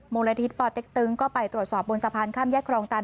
ลทิศปเต็กตึงก็ไปตรวจสอบบนสะพานข้ามแยกครองตัน